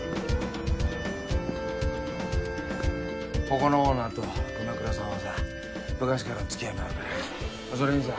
ここのオーナーと熊倉さんはさ昔からのつきあいもあるからそれにさ